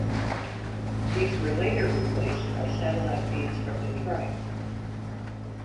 These were later replaced by satellite feeds from Detroit.